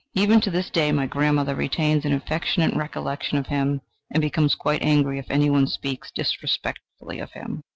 Even to this day my grandmother retains an affectionate recollection of him, and becomes quite angry if any one speaks disrespectfully of him.